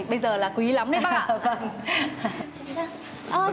bây giờ là quý lắm đấy bác